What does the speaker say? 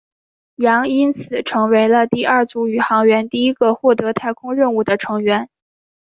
杨因此成为了第二组宇航员第一个获得太空任务的成员。